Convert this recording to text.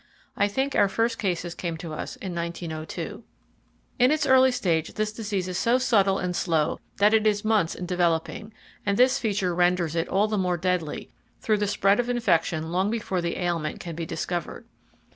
I think our first cases came to us in 1902. In its early stage this disease is so subtle and slow that it is months in developing; and this feature renders it all the more deadly, through the spread of infection long before the ailment can be discovered.